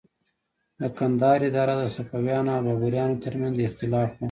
د کندهار اداره د صفویانو او بابریانو تر منځ د اختلاف وه.